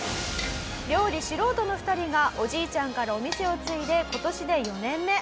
料理素人の２人がおじいちゃんからお店を継いで今年で４年目。